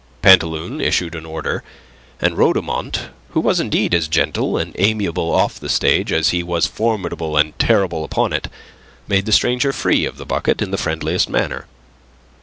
Pantaloon issued an order, and Rhodomont, who was indeed as gentle and amiable off the stage as he was formidable and terrible upon it, made the stranger free of the bucket in the friendliest manner.